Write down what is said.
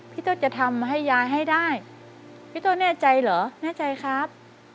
พี่ต้นจะทำให้ยายให้ได้พี่ต้นแน่ใจเหรอแน่ใจครับ